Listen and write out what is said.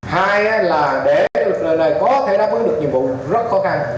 hai là để lực lượng này có thể đáp ứng được nhiệm vụ rất khó khăn